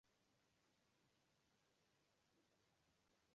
Mwanafunzi wangu ni kioo cha jamii.